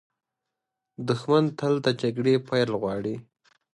دښمن تل د جګړې پیل غواړي